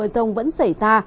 trong ngày rông vẫn xảy ra